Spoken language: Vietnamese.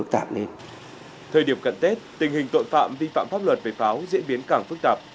thời điểm cận tết tình hình tội phạm vi phạm pháp luật về pháo diễn biến càng phức tạp